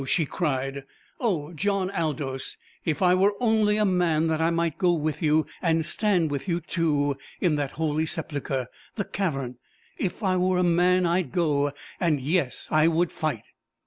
she cried. "Oh, John Aldous! if I were only a man, that I might go with you and stand with you two in that Holy Sepulchre the Cavern If I were a man, I'd go and, yes, I would fight!"